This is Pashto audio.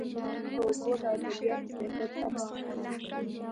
تر دې وروسته هوګو له ادبیاتو سیاست ته مخه کړه.